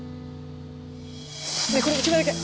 ねえこれ１枚だけ！